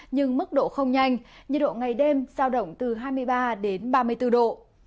nhưng mức độ không nhanh nhiệt độ ngày đêm giao động từ hai mươi ba đến ba mươi bốn độ